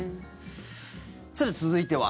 さて、続いては。